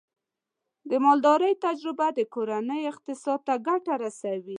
د مالدارۍ تجربه د کورنۍ اقتصاد ته ګټه رسوي.